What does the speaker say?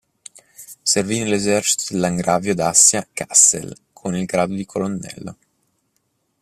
Servì nell'esercito del langravio d'Assia-Kassel con il grado di colonnello.